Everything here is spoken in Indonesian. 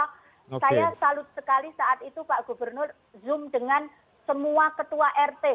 karena saya salut sekali saat itu pak gubernur zoom dengan semua ketua rt